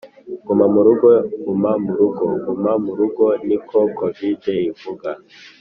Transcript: Guma mu rugo guma mu rugo guma mu rugo niko kovide ivuga